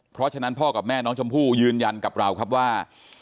เพราะฉะนั้นพ่อกับแม่น้องชมพู่ยืนยันกับเราครับว่า